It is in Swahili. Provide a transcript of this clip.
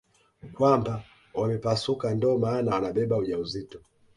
Kwamba wamepasuka ndo maana wanabeba ujauzito